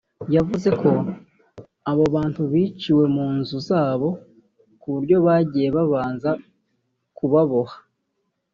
yavuze ko abo bantu biciwe mu nzu zabo ku buryo bagiye babanza kubaboha